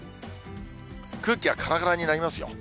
空気はからからになりますよ。